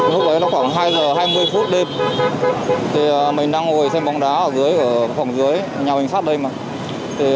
hôm nay là khoảng hai h hai mươi phút đêm mình đang ngồi xem bóng đá ở phòng dưới nhà hình sát đây